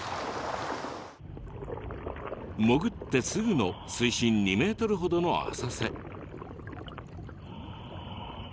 潜ってすぐの水深２ｍほどの浅瀬。